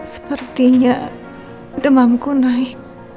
sepertinya demamku naik